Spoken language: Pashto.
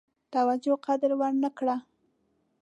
توجه قدر ونه کړه.